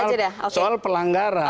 ini soal pelanggaran